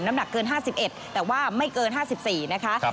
หนักเกิน๕๑แต่ว่าไม่เกิน๕๔นะคะ